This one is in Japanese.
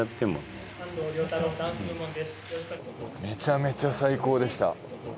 めちゃめちゃ最高でした。